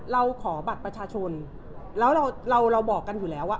เราขอบัตรประชาชนแล้วเราเราบอกกันอยู่แล้วว่า